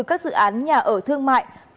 các dự án nhà ở thương mại